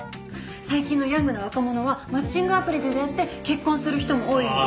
最近のヤングな若者はマッチングアプリで出会って結婚する人も多いんです。